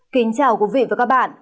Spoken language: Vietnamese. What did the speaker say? kính chào quý vị và các bạn